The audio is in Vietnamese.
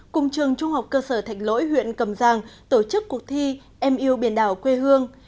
cùng trường trung học cơ sở thạch lỗi huyện cầm giang tổ chức cuộc thi em yêu biển đảo quê hương